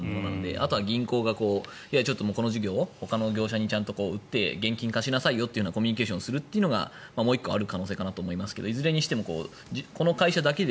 あとは銀行が、この事業はほかの業者に売って現金化しなさいというコミュニケーションをするというのが１つ可能性かなと思いますがいずれにしてもこの会社だけで